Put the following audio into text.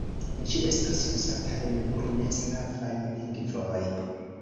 Ĝi estas uzata en nur ne slavaj lingvoj.